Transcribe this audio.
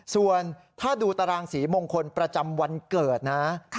ส่วนถ้าดูตารางสีมงคลประจำวันเกิดนะ